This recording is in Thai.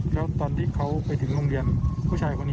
คือเขาแบบลดนักเรียนจอด